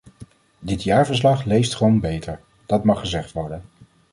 Dit jaarverslag leest gewoon beter, dat mag gezegd worden.